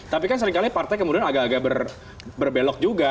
tapi kan seringkali partai kemudian agak agak berbelok juga